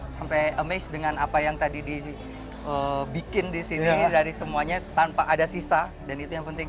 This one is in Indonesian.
sampai amazed dengan apa yang tadi dibikin di sini dari semuanya tanpa ada sisa dan itu yang penting